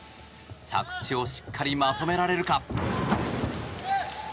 着地をしっかりまとめられるか。